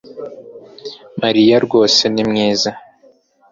Mariya rwose ni mwiza